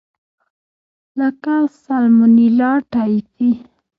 لکه سالمونیلا ټایفي.